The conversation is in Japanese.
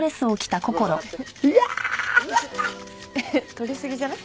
撮りすぎじゃない？